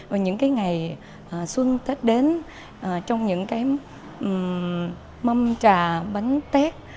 và những cái ngày xuân tết đến trong những cái mâm trà bánh tét